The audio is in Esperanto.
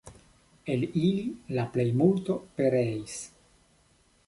El ili la plejmulto pereis.